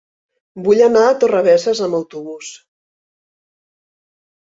Vull anar a Torrebesses amb autobús.